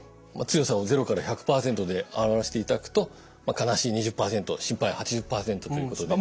強さを０１００％で表していただくと「悲しい２０％心配８０％」ということで。